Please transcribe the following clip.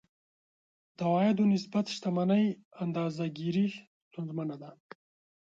د عوایدو نسبت شتمنۍ اندازه ګیري ستونزمنه ده.